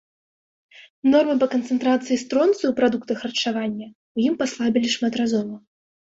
Нормы па канцэнтрацыі стронцыю ў прадуктах харчавання ў ім паслабілі шматразова.